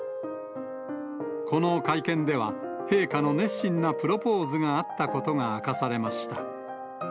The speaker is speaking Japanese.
この会見では、陛下の熱心なプロポーズがあったことが明かされました。